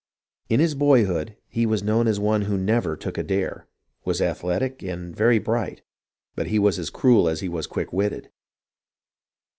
In his boyhood he was known as one who never " took a dare," was athletic and very bright, but he was as cruel as he was quick witted.